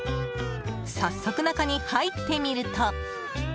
早速、中に入ってみると。